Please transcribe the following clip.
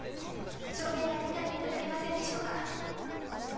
証言台に立っていただけませんでしょうか？